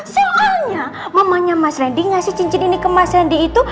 soalnya mamanya mas randy ngasih cincin ini ke mas randy itu